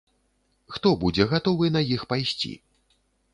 Хто будзе гатовы на іх пайсці?